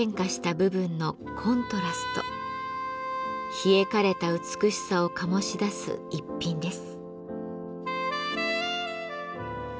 冷え枯れた美しさをかもし出す一品です。